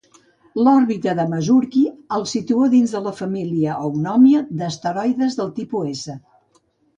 L'òrbita de Masursky el situa dins de la família Eunòmia d'asteroides del tipus S.